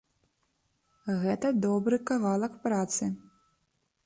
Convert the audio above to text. Гэта добры кавалак працы.